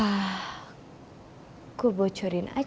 aku mau bukoh dia